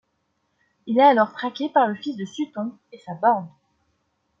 Il est alors traqué par le fils de Sutton et sa bande...